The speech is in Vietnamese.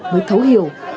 mới thấu hiểu